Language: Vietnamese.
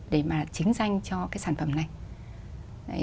để mà chính danh cho cái sản phẩm này